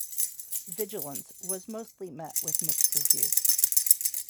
"Vigilance" was mostly met with mixed reviews.